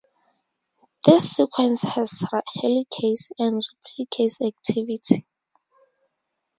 This sequence has helicase and replicase activity.